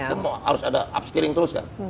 itu harus ada up steering terus kan